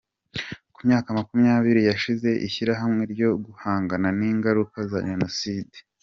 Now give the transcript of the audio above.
Ku myaka makumyabiri yashinze ishyirahamwe ryo guhangana n’ingaruka za Jenoside